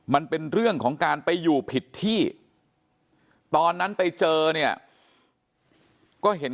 มันเป็นเรื่องของการไปอยู่ผิดที่ตอนนั้นไปเจอเนี่ยก็เห็น